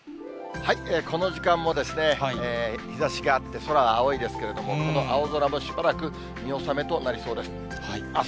この時間もですね、日ざしがあって、空が青いですけれども、この青空もしばらく見納めとなりそうです。